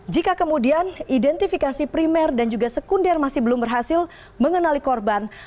jika kemudian identifikasi primer dan juga sekunder masih belum berhasil mengenali korban